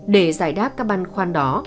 để giải đáp các băn khoan đó